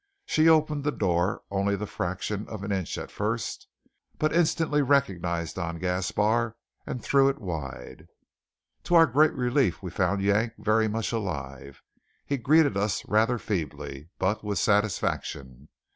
She opened the door only the fraction of an inch at first, but instantly recognized Don Gaspar, and threw it wide. To our great relief we found Yank very much alive. He greeted us rather feebly, but with satisfaction.